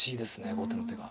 後手の手が。